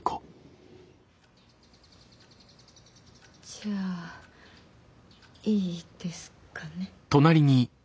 じゃあいいですかね。